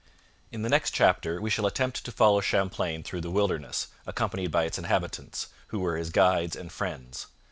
In the next chapter we shall attempt to follow Champlain through the wilderness, accompanied by its inhabitants, who were his guides and friends.